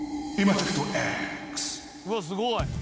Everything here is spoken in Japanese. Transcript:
「うわすごい」